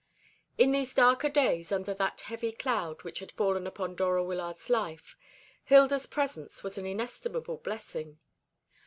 In these darker days, under that heavy cloud which had fallen upon Dora Wyllard's life, Hilda's presence was an inestimable blessing.